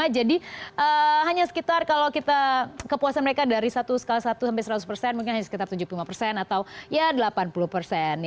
hanya sekitar kalau kita kepuasan mereka dari satu skala satu sampai seratus persen mungkin hanya sekitar tujuh puluh lima persen atau ya delapan puluh persen